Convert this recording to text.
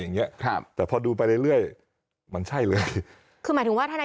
อย่างเงี้ครับแต่พอดูไปเรื่อยเรื่อยมันใช่เลยคือหมายถึงว่าทนาย